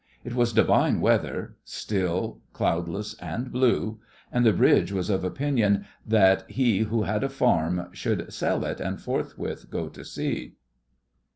It was divine weather—still, cloudless, and blue—and the bridge was of opinion that he who had a farm should sell it and forthwith go to sea.